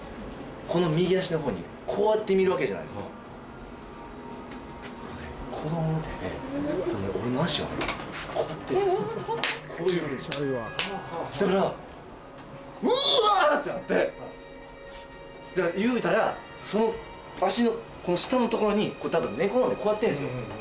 この右足の方にこうやって見るわけじゃないですかこうやってこういうふうにそしたらうわってなって言うたらその足の下のところに多分寝転んでこうやってるんですよ